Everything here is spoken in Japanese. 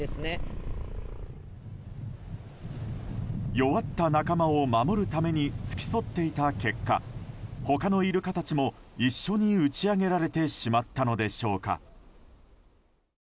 弱った仲間を守るために付き添っていた結果他のイルカたちも一緒に打ち揚げられてしまったのでしょうか。